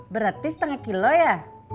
berarti setengah kilo ya